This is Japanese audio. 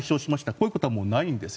こういうことはないんです。